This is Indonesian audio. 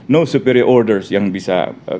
no superior orders yang bisa